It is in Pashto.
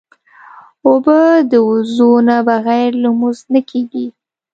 اوبه د وضو نه بغیر لمونځ نه کېږي.